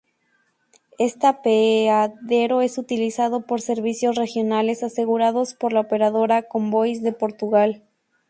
Este apeadero es utilizado por servicios Regionales, asegurados por la operadora Comboios de Portugal.